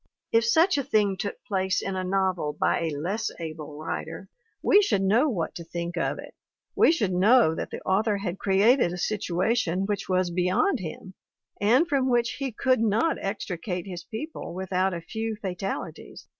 If such a thing took place in a novel by a less able writer we should know what to think of it; we should know that the author had created a situation which was beyond him and from which he could not extricate his people without a few fatalities!